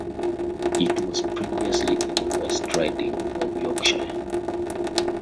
It was previously in the West Riding of Yorkshire.